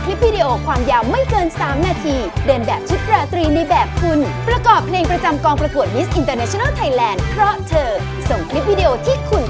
รับภาพก็ได้มันมันสามารถให้เปลี่ยนได้หลาย